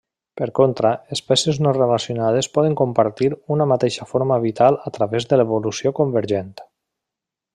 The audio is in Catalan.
Per contra, espècies no relacionades poden compartir una mateixa forma vital a través d'evolució convergent.